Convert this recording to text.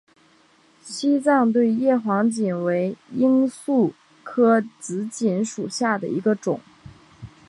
西藏对叶黄堇为罂粟科紫堇属下的一个种。